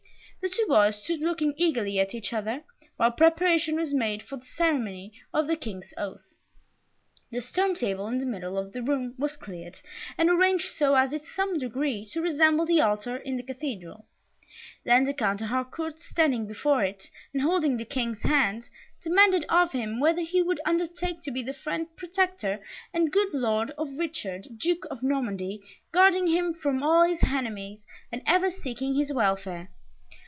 The two boys stood looking eagerly at each other, while preparation was made for the ceremony of the King's oath. The stone table in the middle of the room was cleared, and arranged so as in some degree to resemble the Altar in the Cathedral; then the Count de Harcourt, standing before it, and holding the King's hand, demanded of him whether he would undertake to be the friend, protector, and good Lord of Richard, Duke of Normandy, guarding him from all his enemies, and ever seeking his welfare.